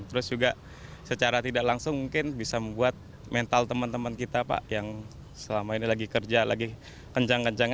terus juga secara tidak langsung mungkin bisa membuat mental teman teman kita pak yang selama ini lagi kerja lagi kencang kencang